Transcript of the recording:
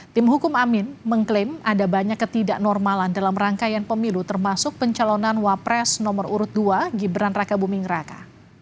tim hukum amin mengklaim ada banyak ketidaknormalan dalam rangkaian pemilu termasuk pencalonan wapres nomor urut dua gibran raka buming raka